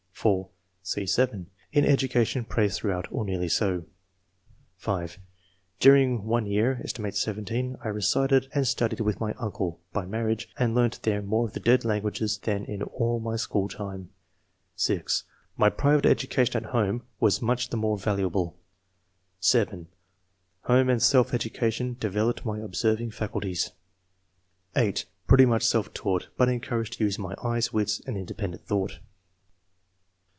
(4) (See (7), in " Education praised through out or nearly so.") IV.] EDUCATION. 245 (5) "During 1 year (aet. 17) I resided and studied with my uncle [by marriage] and learnt there more of the dead languages than in all my school time/' (6) "My private education at home was much the more valuable." (7) *^Home and self education developed my observing faculties.'^ (8) " Pretty much self taught, but encouraged to use my eyes, wits, and independent thought.''